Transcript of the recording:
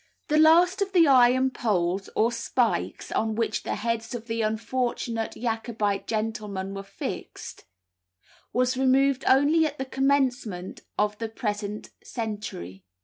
The last of the iron poles or spikes on which the heads of the unfortunate Jacobite gentlemen were fixed, was removed only at the commencement of the present century.